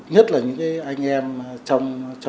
nhất là những anh em trong